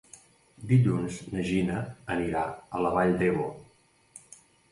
Dilluns na Gina anirà a la Vall d'Ebo.